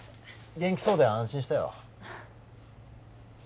元気そうで安心したよ